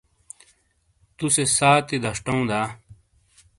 تُو سے سانتی دشٹَوں دا؟